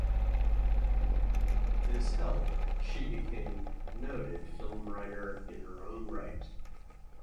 With his help, she became a noted film writer in her own right.